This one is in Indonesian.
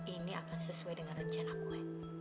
ini akan sesuai dengan rencana gue